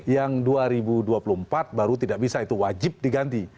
yang dua ribu dua puluh empat baru tidak bisa itu wajib diganti